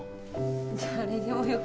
誰でもよくね？